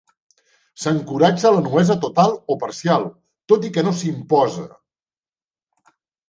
S'encoratja la nuesa total o parcial, tot i que no s'imposa.